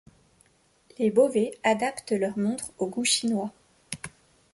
Les Bovet adaptent leurs montres au goût chinois.